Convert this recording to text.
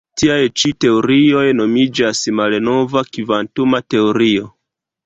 Tiaj ĉi teorioj nomiĝas malnova kvantuma teorio.